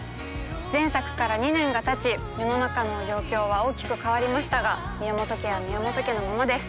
前作から２年がたち世の中の状況は大きく変わりましたが宮本家は宮本家のままです